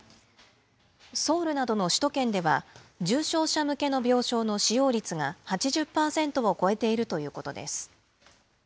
ソウルなどの首都圏では、重症者向けの病床の使用率が８０％を超えているということです。